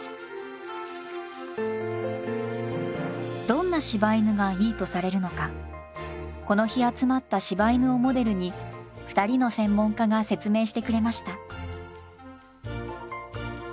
どんな柴犬がいいとされるのかこの日集まった柴犬をモデルに２人の専門家が説明してくれました。